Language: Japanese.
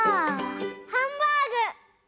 ハンバーグ！